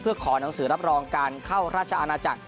เพื่อขอหนังสือรับรองการเข้าราชอาณาจักร